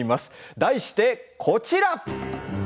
題してこちらです。